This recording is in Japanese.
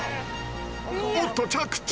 おっと着地！